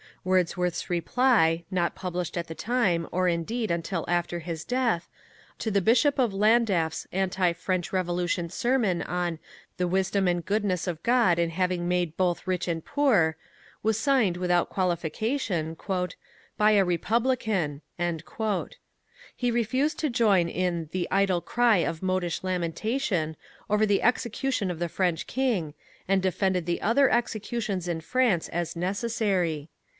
Wordsworth's reply not published at the time, or, indeed, till after his death to the Bishop of Llandaff's anti French Revolution sermon on The Wisdom and Goodness of God in having made both Rich and Poor, was signed without qualification, "By a Republican." He refused to join in "the idle Cry of modish lamentation" over the execution of the French King, and defended the other executions in France as necessary.